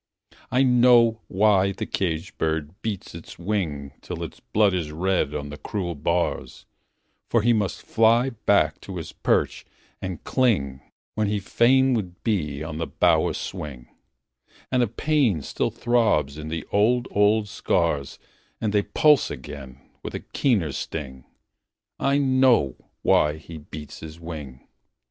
I know why the caged bird beats his wing Till its blood is red on the cruel bars; For he must fly back to his perch and cling When he fain would be on the bough a swing; And a pain still throbs in the old, old scars And they pulse again with a keener sting I know why he beats his wing!